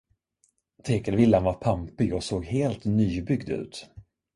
Tegelvillan var pampig och såg helt nybyggd ut.